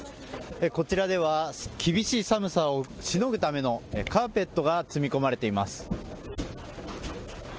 こちらでは厳しい寒さをしのぐためのカーペットが積み込まれています。